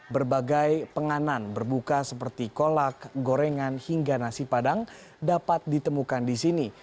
berbagai penganan berbuka seperti kolak gorengan hingga nasi padang dapat ditemukan di sini